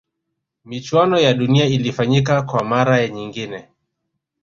michuano ya dunia ilifanyika kwa mara nyingine